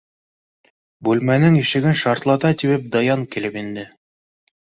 Бүлмәнең ишеген шартлата тибеп Даян килеп инде.